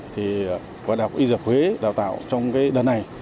thì bộ y tế đào tạo trong đợt này